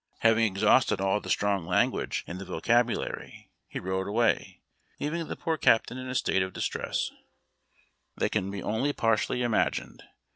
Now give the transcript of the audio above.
375 ing exhausted all the strong language in the vocabulaiy, he rode away, leaving the poor captain in a state of distress that can be only partially imagined.